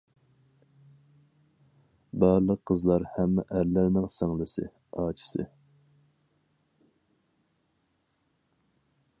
بارلىق قىزلار ھەممە ئەرلەرنىڭ سىڭلىسى، ئاچىسى.